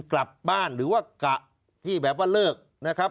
กลับบ้านหรือว่ากะที่แบบว่าเลิกนะครับ